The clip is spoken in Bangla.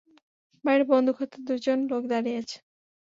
বাইরে বন্দুক হাতে দুজন লোক দাঁড়িয়ে আছে।